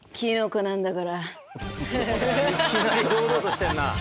いきなり堂々としてんなあ。